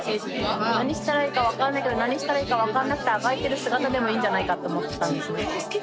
何したらいいか分かんないけど何したらいいか分かんなくてあがいてる姿でもいいんじゃないかと思ってたんですね。